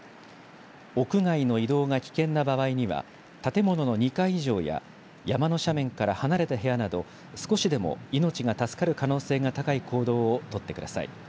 屋外の移動が危険な場合には、建物の２階以上や山の斜面から離れた部屋など、少しでも命が助かる可能性が高い行動を取ってください。